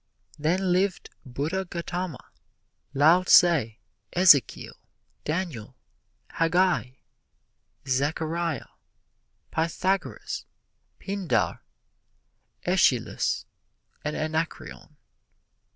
Then lived Buddha Gautama, Lao tsze, Ezekiel, Daniel, Haggai, Zechariah, Pythagoras, Pindar, Æschylus and Anacreon.